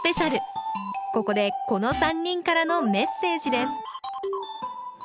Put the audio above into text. ここでこの３人からのメッセージです